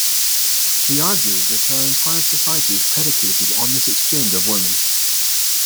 She argues that our entire society is predicated on this exchange of women.